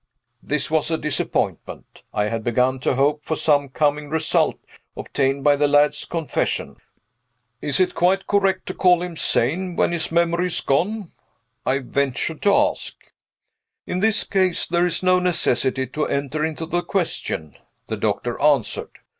This was a disappointment. I had begun to hope for some coming result, obtained by the lad's confession. "Is it quite correct to call him sane, when his memory is gone?" I ventured to ask. "In this case there is no necessity to enter into the question," the doctor answered.